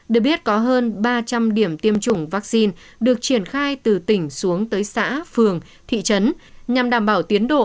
được biết có hơn ba trăm linh điểm tiêm chủng vaccine được triển khai từ tỉnh xuống tới xã phường thị trấn nhằm đảm bảo tiến độ